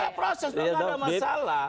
oh proses tapi enggak ada masalah